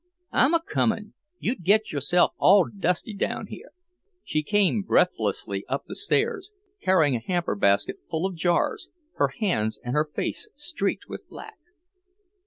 "I'm a comin'. You'd git yourself all dusty down here." She came breathlessly up the stairs, carrying a hamper basket full of jars, her hands and face streaked with black.